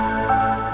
aku mau pergi